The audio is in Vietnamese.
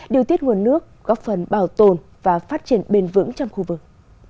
điều tiết nguồn nước góp phần bảo tồn và phát triển bền vững trong khu vực